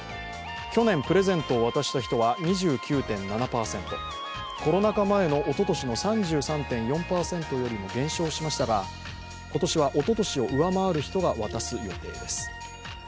去年、プレゼントを渡した人は２９．７％、コロナ禍前のおととしの３３．４％よりも減少しましたが、今年はおととしを上回る人が渡す予定です。